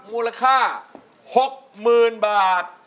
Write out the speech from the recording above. มูลค่า๖๐๐๐๐บาท